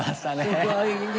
すごいね！